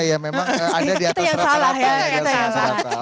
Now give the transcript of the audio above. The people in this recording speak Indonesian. ya memang ada di atas rata rata